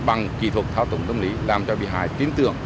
bằng kỹ thuật thao tổng tâm lý làm cho bị hại tin tưởng